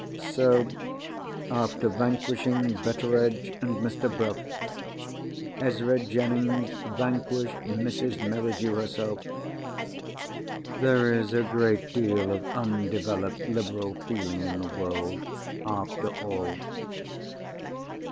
So, after vanquishing Betteredge and Mr. Bruff, Ezra Jennings vanquished Mrs. Merridew herself. There is a great deal of undeveloped liberal feeling in the world, after all!